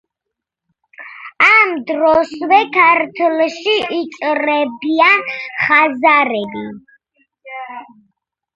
ამ დროსვე ქართლში იჭრებიან ხაზარები.